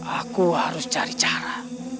aku harus cari cara